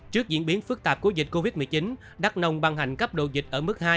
trước diễn biến phức tạp của dịch covid một mươi chín đắk nông ban hành cấp độ dịch ở mức hai